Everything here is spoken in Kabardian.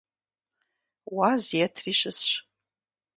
Уаз етри щысщ.